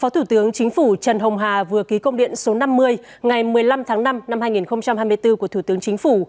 phó thủ tướng chính phủ trần hồng hà vừa ký công điện số năm mươi ngày một mươi năm tháng năm năm hai nghìn hai mươi bốn của thủ tướng chính phủ